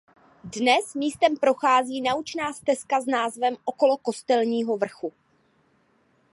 Dnes místem prochází naučná stezka s názvem "Okolo Kostelního vrchu".